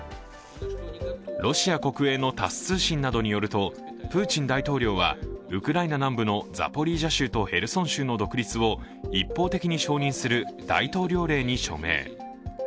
ロシア国営のタス通信などによりますとプーチン大統領はウクライナ南部のザポリージャ州とヘルソン州の独立を一方的に承認する大統領令に署名。